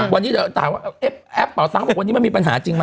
วันนี้เดี๋ยวถามว่าแอปเป่าตังค์บอกวันนี้มันมีปัญหาจริงไหม